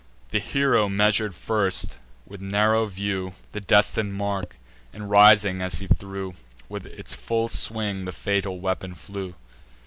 The hero measur'd first, with narrow view, The destin'd mark; and, rising as he threw, With its full swing the fatal weapon flew.